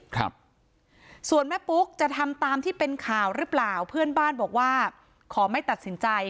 ครับส่วนแม่ปุ๊กจะทำตามที่เป็นข่าวหรือเปล่าเพื่อนบ้านบอกว่าขอไม่ตัดสินใจ